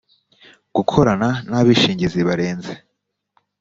gukorana n abishingizi barenze